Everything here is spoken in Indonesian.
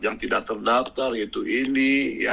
yang tidak terdaftar yaitu ini